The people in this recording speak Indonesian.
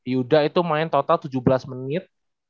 yuda itu main total tujuh belas menit